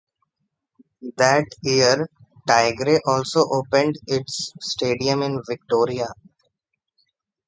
That year Tigre also opened its stadium in Victoria.